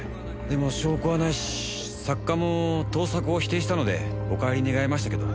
でも証拠はないし作家も盗作を否定したのでお帰り願いましたけど。